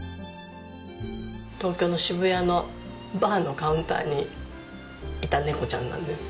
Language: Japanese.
東京の渋谷のバーのカウンターにいた猫ちゃんなんです。